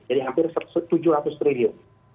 jadi hampir rp tujuh ratus triliun